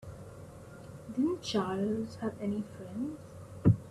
Didn't Charles have any friends?